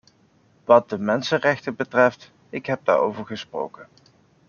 Wat de mensenrechten betreft, ik heb daarover gesproken.